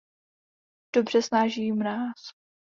Dobře snáší mráz.